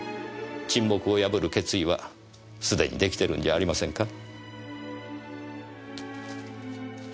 沈黙を破る決意はすでに出来ているんじゃありませんか？